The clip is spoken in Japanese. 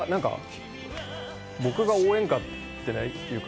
僕が応援歌っていうか。